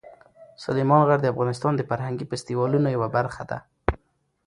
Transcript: سلیمان غر د افغانستان د فرهنګي فستیوالونو یوه برخه ده.